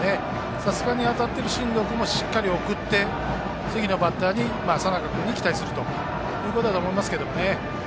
さすがに当たっている進藤君もしっかり送って、次のバッターの佐仲君に期待するということだと思いますけどね。